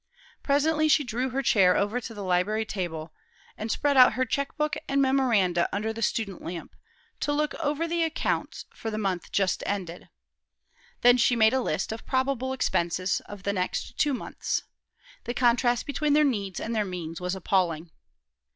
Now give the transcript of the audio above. Presently she drew her chair over to the library table, and spread out her check book and memoranda under the student lamp, to look over the accounts for the month just ended. Then she made a list of the probable expenses of the next two months. The contrast between their needs and their means was appalling.